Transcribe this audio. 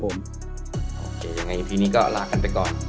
โอเคยังไงพีนี้ก็ลากันไปก่อน